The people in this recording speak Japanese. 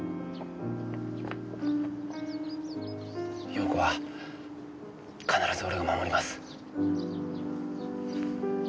容子は必ず俺が守ります。